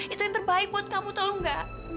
itu yang terbaik buat kamu tolong gak